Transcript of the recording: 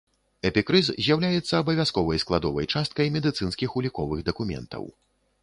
Эпікрыз з'яўляецца абавязковай складовай часткай медыцынскіх уліковых дакументаў.